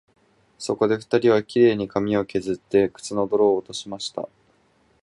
そこで二人は、綺麗に髪をけずって、靴の泥を落としました